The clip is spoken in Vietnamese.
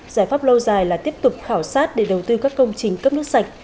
giải pháp lâu dài là tiếp tục khảo sát để đầu tư các công trình cấp nước sạch